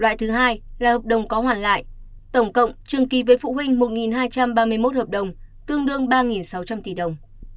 loại thứ hai là hợp đồng có hoàn lại tổng cộng trường ký với phụ huynh một hai trăm ba mươi một hợp đồng tương đương ba sáu trăm linh tỷ đồng